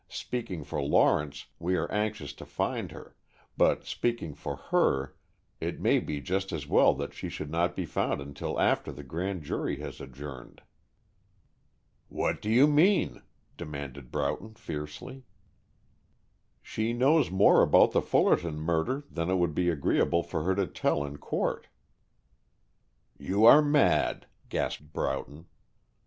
Speaking for Lawrence, we are anxious to find her, but speaking for her, it may be just as well that she should not be found until after the grand jury has adjourned." "What do you mean?" demanded Broughton, fiercely. "She knows more about the Fullerton murder than it would be agreeable for her to tell in court." "You are mad," gasped Broughton.